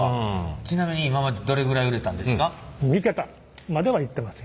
ちなみに今までどれぐらい売れたんですか？